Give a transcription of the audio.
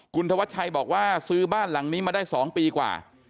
คุณธวัชชัยบอกว่าซื้อบ้านหลังนี้มาได้๒ปีกว่า